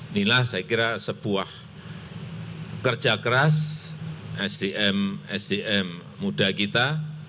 inilah saya kira sebuah kerja keras sdm sdm muda kita